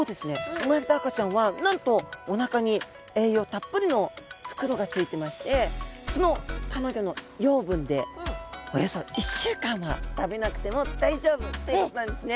産まれた赤ちゃんはなんとおなかに栄養たっぷりの袋がついてましてその卵の養分でおよそ１週間は食べなくても大丈夫ということなんですね。